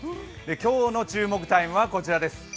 今日の注目タイムはこちらです。